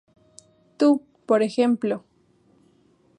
Tú, por ejemplo.